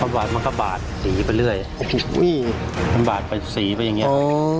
แล้วก็ดาบมันก็บาดสีไปเรื่อยสีไปสีไปอย่างเงี้ย